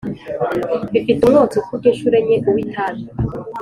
Bifite umwotsi ukubye incuro enye uw’ itabi